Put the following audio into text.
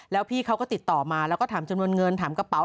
แล้วพี่เขาก็ติดต่อมาแล้วก็ถามจำนวนเงินถามกระเป๋า